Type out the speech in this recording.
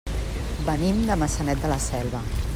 Venim de Maçanet de la Selva.